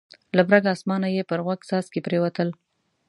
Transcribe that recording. له برګ اسمانه یې پر غوږ څاڅکي پرېوتل.